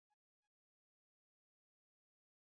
kwa sababu sio kweli kwamba sehemu ambapo